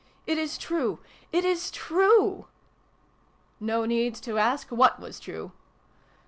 " It is true ! It is true !" No need to ask what was true.